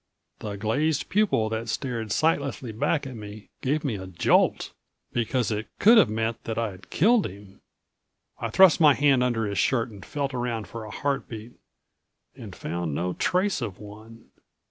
The glazed pupil that stared sightlessly back at me gave me a jolt, because it could have meant that I'd killed him. I thrust my hand under his shirt and felt around for a heartbeat and found no trace of one.